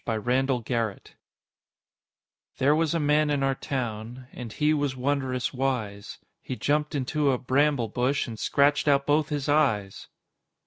by Randall Garrett Illustrated by Schelling _There was a man in our town, And he was wond'rous wise; He jumped into a bramble bush, And scratch'd out both his eyes!